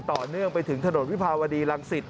ต่อเนื่องไปถึงถนนวิภาวดีรังสิต